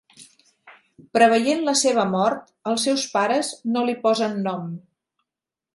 Preveient la seva mort, els seus pares no li posen nom.